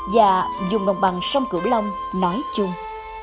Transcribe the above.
và dùng đồng bằng sông cửu long nói chung